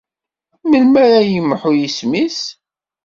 Melmi ara yemḥu yisem-is?